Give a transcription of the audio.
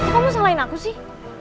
kamu salahin aku sih